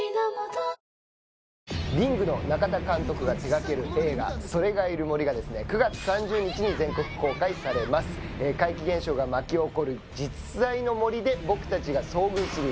「リング」の中田秀夫監督が手がける映画「“それ”がいる森」がですね９月３０日に全国公開されます怪奇現象が巻き起こる実在の森で僕達が遭遇する